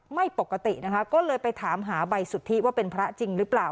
ไม่ปกตินะคะก็เลยไปถามหาใบสุทธิว่าเป็นพระจริงหรือเปล่า